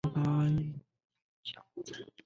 丈夫为演员刘俊相。